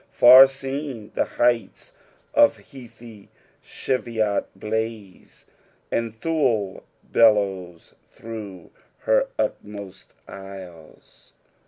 Far seen, tbe heights of heathy Cheviot bloae. And I'hnli bellows tbrough her utmost Istea."